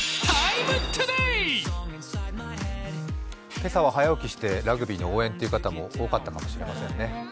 今朝は早起きして、ラグビーの応援という方も多かったかもしれませんね。